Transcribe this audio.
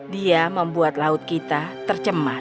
dia membuat laut kita tercemar